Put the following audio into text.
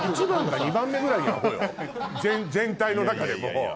全体の中でも。